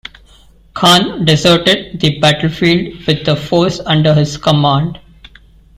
Khan deserted the battlefield with the force under his command.